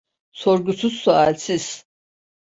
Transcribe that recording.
Sorgusuz sualsiz.